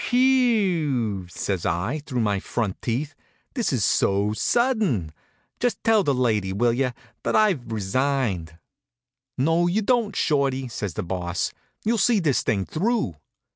"Whe e e ew!" says I, through my front teeth. "This is so sudden. Just tell the lady, will you, that I've resigned." "No you don't, Shorty," says the Boss. "You'll see this thing through."